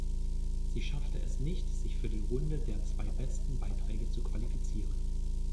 Sie schaffte es nicht, sich für die Runde der zwei besten Beiträge zu qualifizieren.